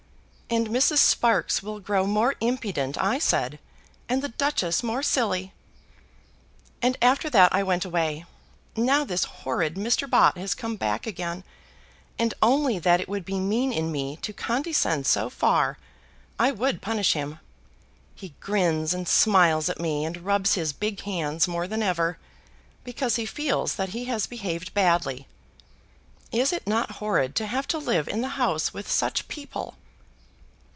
'And Mrs. Sparkes will grow more impudent,' I said, 'and the Duchess more silly.' And after that I went away. Now this horrid Mr. Bott has come back again, and only that it would be mean in me to condescend so far, I would punish him. He grins and smiles at me, and rubs his big hands more than ever, because he feels that he has behaved badly. Is it not horrid to have to live in the house with such people?"